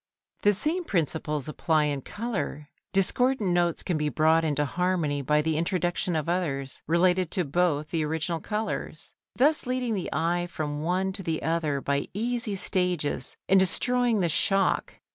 The same principles apply in colour, discordant notes can be brought into harmony by the introduction of others related to both the original colours, thus leading the eye from one to the other by easy stages and destroying the shock.